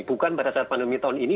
bukan pada saat pandemi tahun ini